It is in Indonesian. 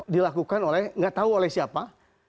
dilakukan oleh nggak tahu oleh siapa